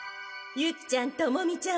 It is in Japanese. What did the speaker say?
ユキちゃんトモミちゃん